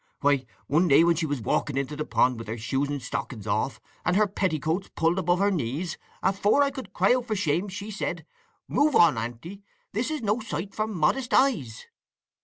Why, one day when she was walking into the pond with her shoes and stockings off, and her petticoats pulled above her knees, afore I could cry out for shame, she said: 'Move on, Aunty! This is no sight for modest eyes!